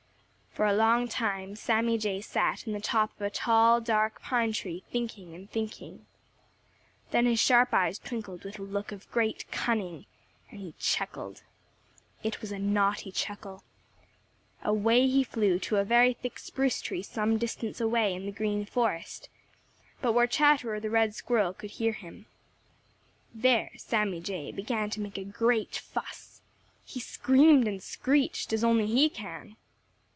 For a long time Sammy Jay sat in the top of a tall, dark pine tree, thinking and thinking. Then his sharp eyes twinkled with a look of great cunning, and he chuckled. It was a naughty chuckle. Away he flew to a very thick spruce tree some distance away in the Green Forest, but where Chatterer the Red Squirrel could hear him. There Sammy Jay began to make a great fuss. He screamed and screeched as only he can.